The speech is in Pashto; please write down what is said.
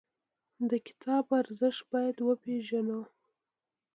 د کتاب ارزښت باید وپېژنو.